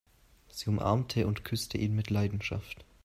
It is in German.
Sie umarmte und küsste ihn mit Leidenschaft.